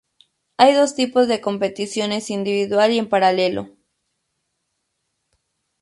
Hay dos tipos de competiciones, individual y en paralelo.